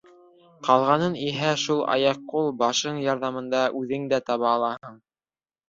Ҡалғанын иһә шул аяҡ-ҡул, башың ярҙамында үҙең дә таба алаһың.